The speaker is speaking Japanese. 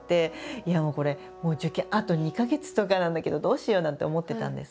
もうこれ受験あと２か月とかなんだけどどうしようなんて思ってたんですが。